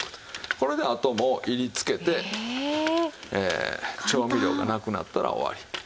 これであともう煎りつけて調味料がなくなったら終わり。